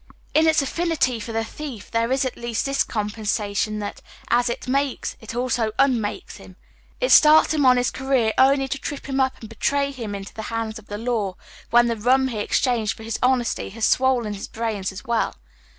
In its affinity for the thief there is at least this compensation that, as it makes, it also unmakes him. It starts him on his career only to trip him up and betray him into the hands of the law, when the rum he exchanged for his honesty has stolen i^on«;lr 216 HOW THK OTHKK HALF LIVES. his brains as well.